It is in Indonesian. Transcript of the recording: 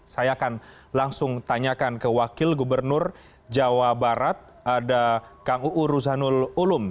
saya akan langsung tanyakan ke wakil gubernur jawa barat ada kang uu ruzanul ulum